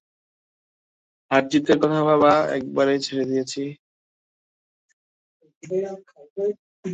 হারজিতের কথা ভাবা একেবারে ছেড়ে দিয়েছি।